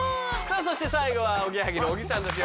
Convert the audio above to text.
さあそして最後はおぎやはぎの小木さんです。